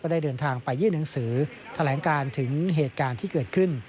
ได้เดินทางไปยื่นหนังสือแถลงการถึงเหตุการณ์ที่เกิดขึ้น